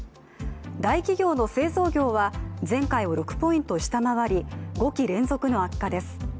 大企業の製造業は前回を６ポイント下回り５期連続の悪化です。